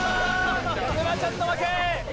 沼ちゃんの負け！